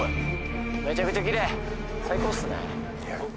めちゃくちゃきれい最高っすね